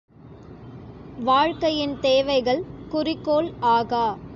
வாழ்க்கையின் தேவைகள் குறிக்கோள் ஆகா.